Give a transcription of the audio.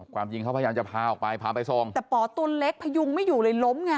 ความจริงเขาพยายามจะพาออกไปพาไปส่งแต่ป๋อตัวเล็กพยุงไม่อยู่เลยล้มไง